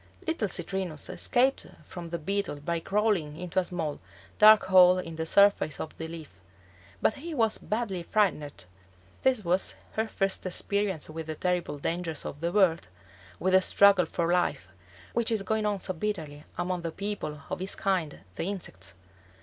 Little Citrinus escaped from the Beetle by crawling into a small, dark hole in the surface of the leaf; but he was badly frightened. This was his first experience with the terrible dangers of the world, with the struggle for life, which is going on so bitterly among the people of his kind, the insects.